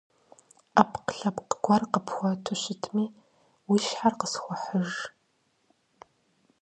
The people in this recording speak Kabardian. Ӏэпкълъэпкъ гуэр къыпхуэту щытми уи щхьэ къысхуэхьыж.